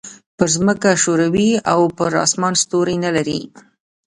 پر ځمکه ښوری او پر اسمان ستوری نه لري.